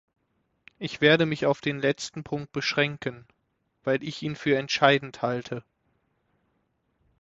Ich werde mich auf den letzten Punkt beschränken, weil ich ihn für entscheidend halte.